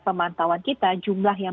pemantauan kita jumlah yang